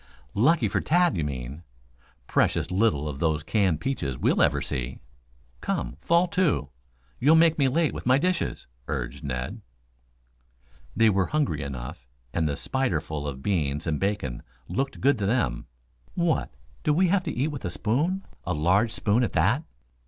"Lucky for Tad, you mean. Precious little of those canned peaches we'll ever see. Come, fall to. You'll make me late with my dishes," urged Ned. They were hungry enough, and the spiderful of beans and bacon looked good to them. "What, do we have to eat with a spoon a large spoon, at that?"